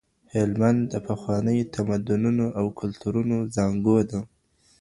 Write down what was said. هلمند د پخوانیو تمدنونو او کلتورونو زانګو ده.